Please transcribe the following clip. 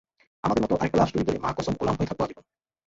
আমাদের মত আরেকটা লাভ স্টোরি পেলে মা কসম গোলাম হয়ে থাকব আজীবন।